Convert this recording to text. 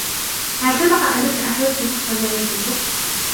هل سبق أنك احببت شخصا لا يحبك ؟